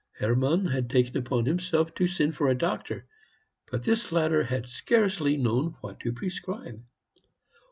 Hermann had taken upon himself to send for a doctor, but this latter had scarcely known what to prescribe.